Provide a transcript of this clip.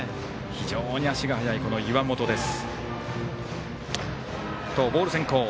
非常に足が速い岩本です。